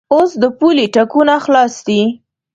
اوس د پولې ټکونه خلاص دي.